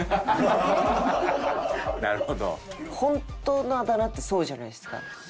ホントのあだ名ってそうじゃないですか。